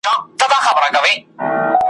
زه خالق د هري میني، ملکه د هر داستان یم `